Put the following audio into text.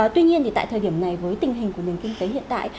tuy nhiên thì tại thời điểm này với tình hình của nền kinh tế hiện đại